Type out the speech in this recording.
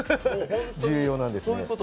重要なんですね。